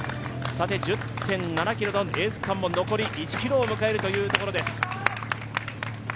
１０．７ｋｍのエース区間も残り１ｋｍを迎えるというところです。